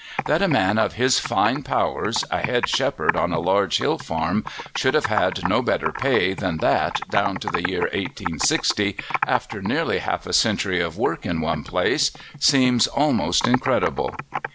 That a man of his fine powers, a head shepherd on a large hill farm, should have had no better pay than that down to the year 1860, after nearly half a century of work in one place, seems almost incredible.